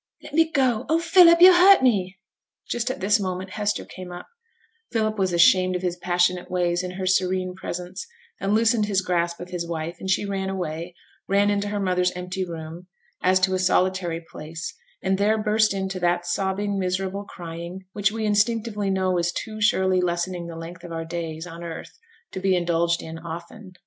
'Let me go! Oh, Philip, yo' hurt me!' Just at this moment Hester came up; Philip was ashamed of his passionate ways in her serene presence, and loosened his grasp of his wife, and she ran away; ran into her mother's empty room, as to a solitary place, and there burst into that sobbing, miserable crying which we instinctively know is too surely lessening the length of our days on earth to be indulged in often.